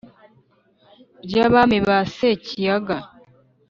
by’abami ba sekiyaga,